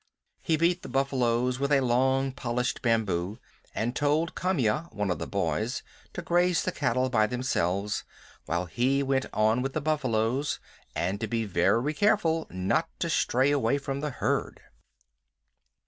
He beat the buffaloes with a long, polished bamboo, and told Kamya, one of the boys, to graze the cattle by themselves, while he went on with the buffaloes, and to be very careful not to stray away from the herd.